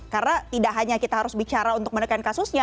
karena tidak hanya kita harus bicara untuk menekan kasusnya